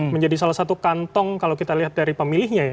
menjadi salah satu kantong kalau kita lihat dari pemilihnya ya